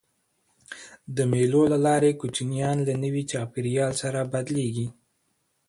د مېلو له لاري کوچنيان له نوي چاپېریال سره بلديږي.